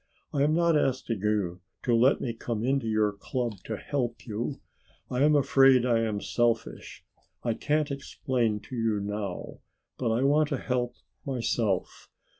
I am not asking you to let me come into your club to help you. I am afraid I am selfish, I can't explain it to you now, but I want to help myself.